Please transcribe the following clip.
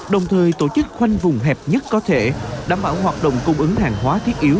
đồng thời tổ chức khoanh vùng hẹp nhất có thể đảm bảo hoạt động cung ứng hàng hóa thiết yếu